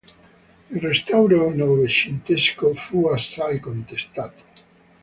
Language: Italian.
Il restauro novecentesco fu assai contestato.